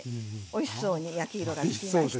おいしそうに焼き色がつきました。